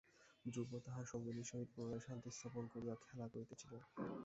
ধ্রুব তাহার সঙ্গিনীর সহিত পুনরায় শান্তি স্থাপন করিয়া খেলা করিতেছিল।